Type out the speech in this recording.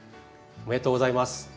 おめでとうございます。